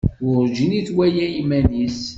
Werǧin i twala iman-is.